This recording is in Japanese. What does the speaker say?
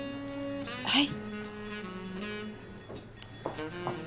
はい。